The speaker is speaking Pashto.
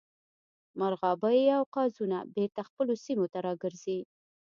مرغابۍ او قازونه بیرته خپلو سیمو ته راګرځي